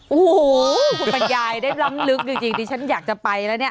โอ้โหคุณบรรยายได้ล้ำลึกจริงดิฉันอยากจะไปแล้วเนี่ย